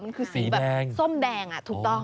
มันคือสีแบบส้มแดงอ่ะ